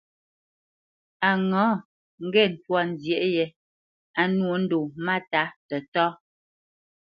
A ŋâ ŋgê ntwá nzyêʼ yē á nwô ndo máta tətá.